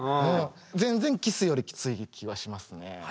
全然キスよりきつい気はしますね。